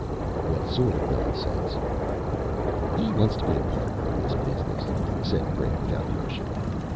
"What sort of nonsense?" "He wants to be a partner in this business," said Brink without emotion.